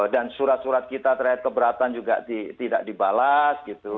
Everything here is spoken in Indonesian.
dan surat surat kita terhadap keberatan juga tidak dibalas gitu